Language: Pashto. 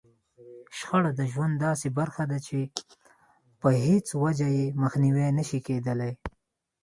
شخړه د ژوند داسې برخه ده چې په هېڅ وجه يې مخنيوی نشي کېدلای.